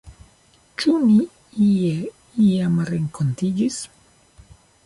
Ĉu ni ie, iam renkontiĝis?